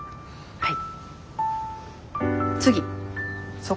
はい。